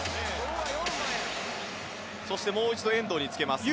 そしてもう一度遠藤につけます。